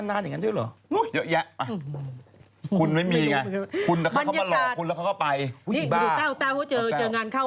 น้องแต้วเจองานเขา